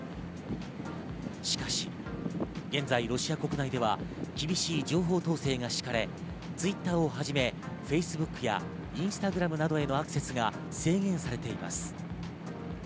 しかし、現在ロシア国内では厳しい情報統制が敷かれＴｗｉｔｔｅｒをはじめ、Ｆａｃｅｂｏｏｋやインスタグラムなどへのアクセスが制限されています。